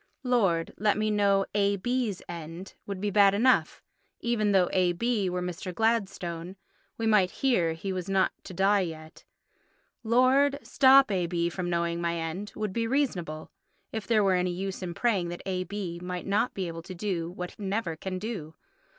"Lord, let me know A.B.'s end" would be bad enough. Even though A.B. were Mr. Gladstone—we might hear he was not to die yet. "Lord, stop A.B. from knowing my end" would be reasonable, if there were any use in praying that A.B. might not be able to do what he never can do.